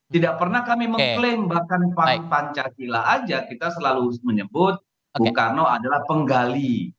tidak pernah kami mengklaim bahkan pancasila saja kita selalu menyebut bung karno adalah penggali